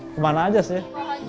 kemana aja sih